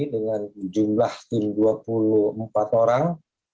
dengan jumlah tim dua puluh empat orang